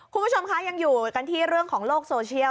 คุณผู้ชมคะยังอยู่กันที่เรื่องของโลกโซเชียล